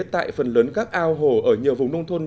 tại phần lớn các ao hồ ở nhiều vùng nông thôn